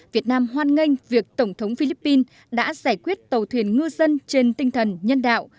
việt nam hoan nghênh việc tổng thống philippines đã giải quyết tàu thuyền ngư dân trên tinh thần nhân đạo